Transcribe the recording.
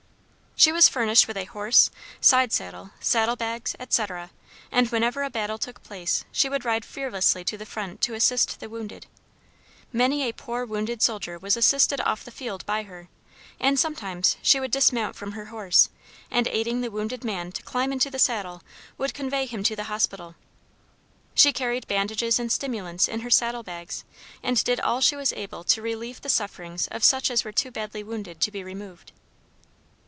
She was furnished with a horse, side saddle, saddle bags, etc., and whenever a battle took place she would ride fearlessly to the front to assist the wounded. Many a poor wounded soldier was assisted off the field by her, and sometimes she would dismount from her horse, and, aiding the wounded man to climb into the saddle, would convey him to the hospital. She carried bandages and stimulants in her saddle bags, and did all she was able to relieve the sufferings of such as were too badly wounded to be removed.